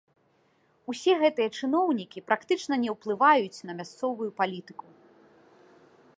Усе гэтыя чыноўнікі практычна не ўплываюць на мясцовую палітыку.